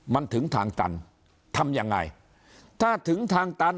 มันถึงทางตันทำยังไงถ้าถึงทางตัน